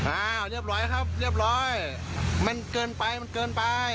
อ้าวเรียบร้อยครับเรียบร้อยมันเกินไปมันเกินไป